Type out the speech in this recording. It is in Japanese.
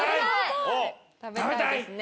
食べたいですね。